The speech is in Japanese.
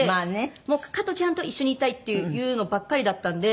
もう加トちゃんと一緒にいたいっていうのばっかりだったんで。